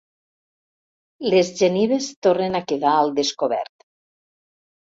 Les genives tornen a quedar al descobert.